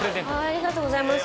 ありがとうございます。